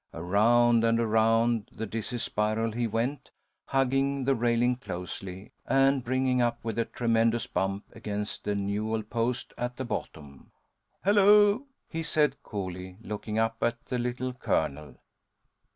Around and around the dizzy spiral he went, hugging the railing closely, and bringing up with a tremendous bump against the newel post at the bottom. "Hullo!" he said, coolly, looking up at the Little Colonel.